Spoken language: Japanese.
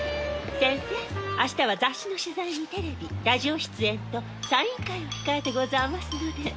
センセ明日は雑誌の取材にテレビラジオ出演とサイン会を控えてござあますので。